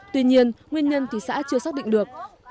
tuy nhiên nguyên nhân thì xã chưa xác định được